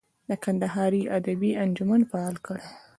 د کندهاري ادبي انجمن فعال غړی.